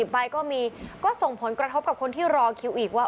ใบก็มีก็ส่งผลกระทบกับคนที่รอคิวอีกว่า